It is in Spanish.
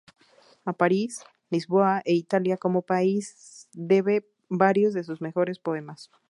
A París, Lisboa e Italia como país debe varios de sus mejores poemas.